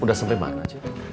udah sampai mana cik